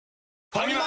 ファミマ！